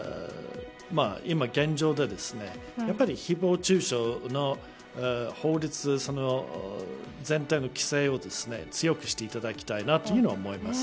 今現状でひぼう中傷の法律その全体の規制を強くしていただきたいなと思います。